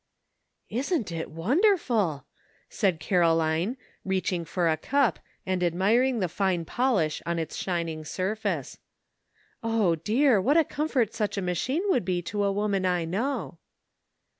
"Isn't it wonderful?" said Caroline, reach ing for a cup, and admiring the fine polish on its shining surface. " O, dear! what a com fort such a machine would be to a woman I know."